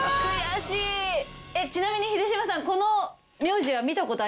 ちなみに秀島さん。